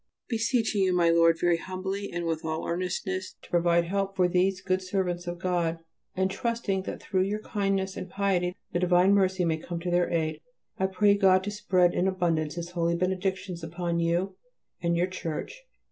Beseeching you my Lord, very humbly and with all earnestness to provide help for these good servants of God, and trusting that through your kindness and piety the divine mercy may come to their aid, I pray God to spread in abundance His holy benedictions upon you and your Church.